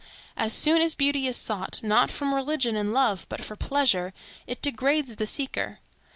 As soon as beauty is sought, not from religion and love but for pleasure, it degrades the seeker.